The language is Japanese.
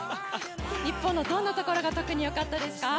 日本のどんなところが特によかったですか？